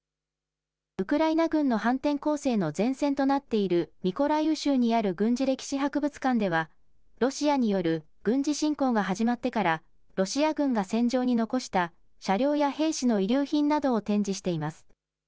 ウクライナ軍の反転攻勢の前線となっているミコライウ州にある軍事歴史博物館では、ロシアによる軍事侵攻が始まってからロシア軍が戦場に残した車両や兵士の遺留品などを展示しています。